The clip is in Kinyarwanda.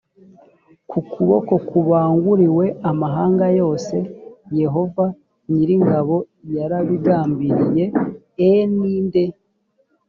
ko kuboko kubanguriwe amahanga yose yehova nyir ingabo yarabigambiriye e ni nde